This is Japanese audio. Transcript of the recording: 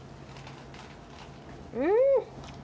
うん！